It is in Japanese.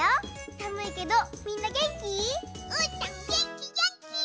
さむいけどみんなげんき？うーたんげんきげんき！